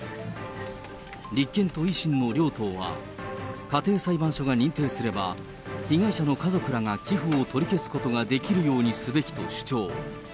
立憲と維新の両党は、家庭裁判所が認定すれば、被害者の家族らが寄付を取り消すことができるようにすべきと主張。